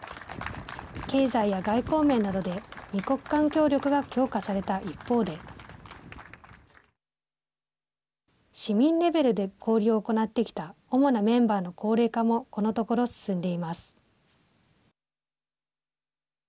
経済や外交面などで２国間協力が強化された一方で市民レベルで交流を行ってきた主なメンバーの高齢化もこのところ進んでいます。